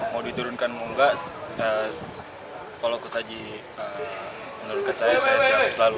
mau diturunkan mau nggak kalau ke saji menurutkan saya saya siap selalu